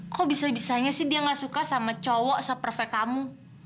kok bisa bisanya sih dia gak suka sama cowok seperfect kamu